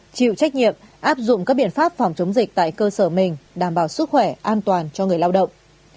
chịu trách nhiệm áp dụng các biện pháp phòng chống dịch tại cơ sở mình đảm bảo sức khỏe an toàn cho người lao động